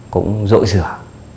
cũng rội rửa